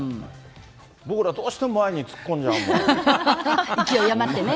僕らどうしても、前に突っ込んじ勢い余ってね。